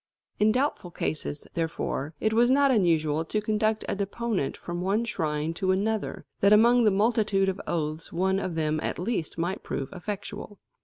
In doubtful cases, therefore, it was not unusual to conduct a deponent from one shrine to another, that among the multitude of oaths one of them at least might prove effectual.